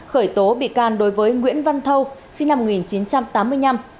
khởi tố bị can đối với nguyễn văn thâu sinh năm một nghìn chín trăm tám mươi năm